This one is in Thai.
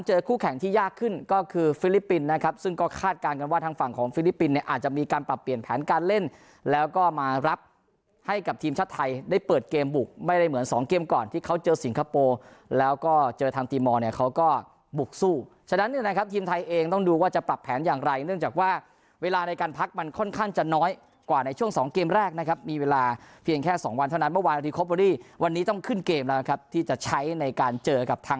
เจอคู่แข่งที่ยากขึ้นก็คือฟิลิปปินส์นะครับซึ่งก็คาดการณ์กันว่าทางฝั่งของฟิลิปปินส์เนี่ยอาจจะมีการปรับเปลี่ยนแผนการเล่นแล้วก็มารับให้กับทีมชาติไทยได้เปิดเกมบุกไม่ได้เหมือนสองเกมก่อนที่เขาเจอสิงคโปร์แล้วก็เจอทางทีมมอล์เนี่ยเขาก็บุกสู้ฉะนั้นเนี่ยนะครับทีมไทยเองต้องดู